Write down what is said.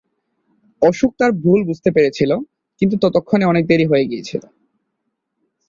অশোক তার ভুল বুঝতে পেরেছিল কিন্তু ততক্ষণে অনেক দেরি হয়ে গিয়েছিল।